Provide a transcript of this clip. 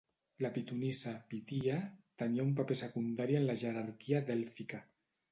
La pitonissa, Pythía, tenia un paper secundari en la jerarquia dèlfica.